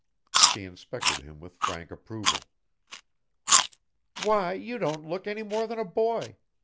She inspected him with frank approval. "Why, you don't look any more than a boy!